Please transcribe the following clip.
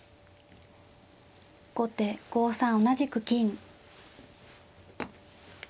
後手５三同じく金。